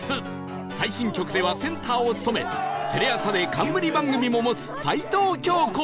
最新曲ではセンターを務めテレ朝で冠番組も持つ齊藤京子